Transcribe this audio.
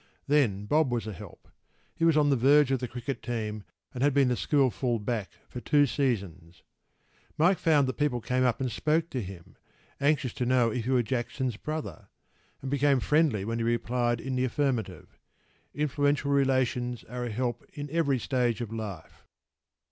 Then Bob was a help.  He was on the verge of the cricket team and had been the school full back for two seasons.  Mike found that people came up and spoke to him, anxious to know if he were Jackson’s brother; and became friendly when he replied in the affirmative.  Influential relations are a help in every stage of life.